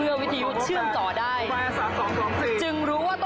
ของท่านได้เสด็จเข้ามาอยู่ในความทรงจำของคน๖๗๐ล้านคนค่ะทุกท่าน